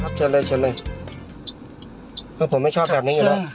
เชิญเลยเชิญเลยเพราะผมไม่ชอบแบบนี้อยู่แล้ว